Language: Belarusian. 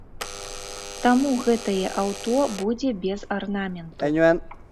Таму гэтае аўто будзе без арнаменту.